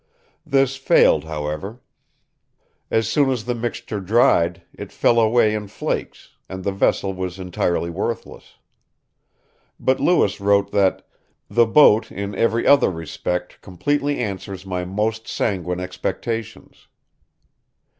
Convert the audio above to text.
This failed, however. As soon as the mixture dried, it fell away in flakes, and the vessel was entirely worthless. But Lewis wrote that "the boat in every other rispect completely answers my most sanguine expectations"!